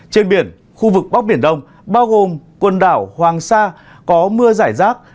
trên biển khu vực bắc biển đông bao gồm quần đảo hoàng sa có mưa giải rác